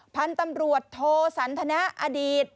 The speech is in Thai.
พันธุ์ตำรวจโทสันทนาอดีต